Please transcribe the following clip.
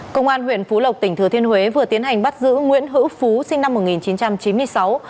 công an huyện phú lộc tỉnh thừa thiên huế vừa tiến hành bắt giữ nguyễn hữu phú sinh năm một nghìn chín trăm chín mươi sáu